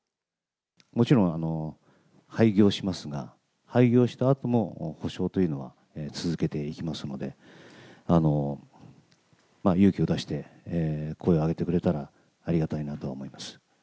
もちろん廃業しますが、廃業したあとも補償というのは続けていきますので、勇気を出して声を上げてくれたら、ありがたいなとは思います。